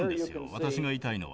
私が言いたいのは。